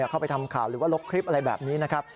เข้าไปทำข่าวหรือว่าลบคลิปอะไรแบบนี้นะครับ